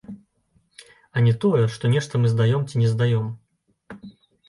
А не тое, што нешта мы здаём ці не здаём.